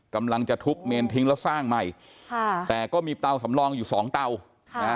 กำลังจะทุบเมนทิ้งแล้วสร้างใหม่ค่ะแต่ก็มีเตาสำรองอยู่สองเตาค่ะนะฮะ